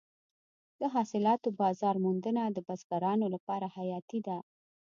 د حاصلاتو بازار موندنه د بزګرانو لپاره حیاتي ده.